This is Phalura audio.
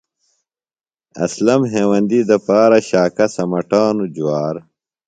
اسلم ہیوندی دپارہ شاکہ سمٹانو۔ جۡوار